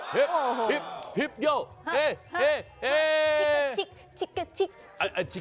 เฮ้ฮิปฮิปฮิปชิกชิกชิก